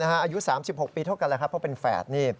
อายุ๓๖ปีเท่ากันแล้วเพราะเป็นแฝด